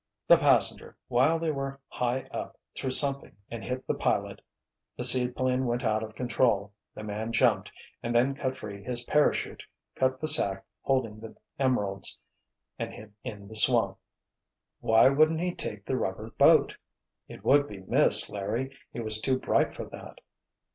"The passenger, while they were high up, threw something and hit the pilot, the seaplane went out of control, the man jumped—and then cut free his parachute, cut the sack holding the emeralds, and hid in the swamp." "Why wouldn't he take the rubber boat?" "It would be missed, Larry. He was too bright for that."